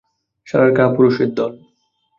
শালার কাপুরুষের দল!